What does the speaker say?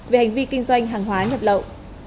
về hành vi kinh doanh hàng hóa nhập lậu